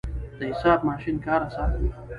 د حساب ماشین کار اسانوي.